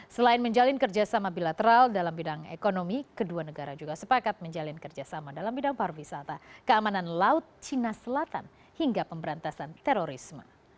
selain menjalin kerjasama bilateral dalam bidang ekonomi kedua negara juga sepakat menjalin kerjasama dalam bidang pariwisata keamanan laut cina selatan hingga pemberantasan terorisme